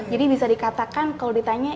jadi bisa dikatakan kalau ditanya